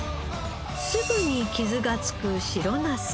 すぐに傷がつく白ナス。